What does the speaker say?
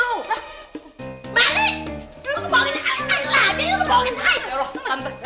kok dibohongin air air lagi